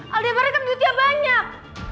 aldebaran kan jutnya banyak